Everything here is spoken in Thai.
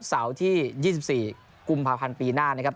เสาร์ที่๒๔กุมภาพันธ์ปีหน้านะครับ